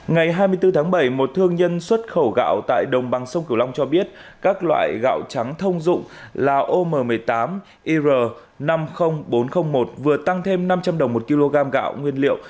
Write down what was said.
ngày hai mươi bốn tháng bảy một thương nhân xuất khẩu gạo tại đồng bằng sông cửu long cho biết các loại gạo trắng thông dụng là om một mươi tám ir năm mươi nghìn bốn trăm linh một vừa tăng thêm năm trăm linh đồng một kg gạo nguyên liệu